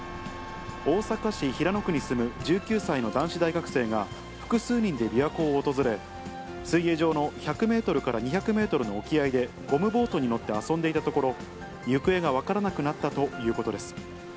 大阪市平野区に住む１９歳の男子大学生が、複数人で琵琶湖を訪れ、水泳場の１００メートルから２００メートルの沖合で、ゴムボートに乗って遊んでいたところ、行方が分からなくなったということです。